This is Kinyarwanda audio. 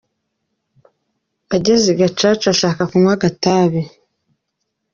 Ageze i Gicaca ashaka kunywa agatabi.